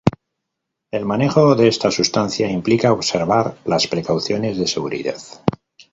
El manejo de esta sustancia implica observar las precauciones de seguridad.